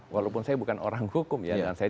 walaupun saya bukan orang hukum saya juga orang hukum